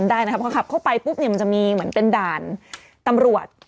ได้นะครับพอขับเข้าไปปุ๊บเนี่ยมันจะมีเหมือนเป็นด่านตำรวจ